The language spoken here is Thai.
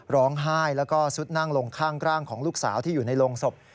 ร้องไห้แล้วก็ซุดนั่งลงข้างร่างของลูกสาวที่อยู่ในโรงศพ